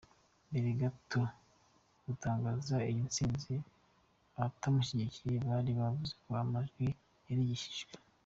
Mbere gato yo gutangaza iyi ntsinzi, abatamushyigikiye bari bavuze ko amajwi yarigishyijwe.